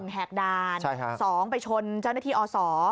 แหกด่าน๒ไปชนเจ้าหน้าที่อศ